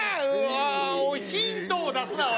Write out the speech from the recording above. おおーヒントを出すなお